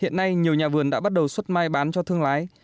hiện nay nhiều nhà vườn đã bắt đầu xuất mai bán cho thương lái